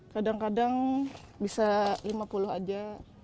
kadang kadang bisa lima puluh aja